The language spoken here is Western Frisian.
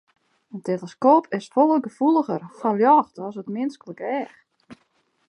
In teleskoop is folle gefoeliger foar ljocht as it minsklik each.